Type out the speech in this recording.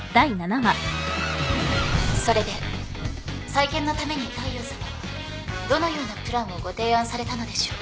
それで再建のために大陽さまはどのようなプランをご提案されたのでしょう？